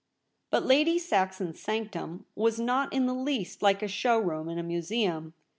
But Lady Saxon's sanctum was not in the least like a show room in a museum.